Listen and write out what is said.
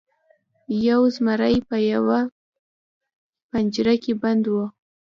یو زمری په یوه پنجره کې بند و.